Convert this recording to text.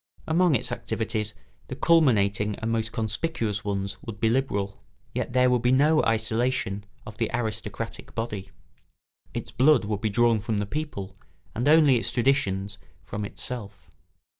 Among its activities the culminating and most conspicuous ones would be liberal. Yet there would be no isolation of the aristocratic body; its blood would be drawn from the people, and only its traditions from itself.